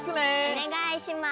おねがいします！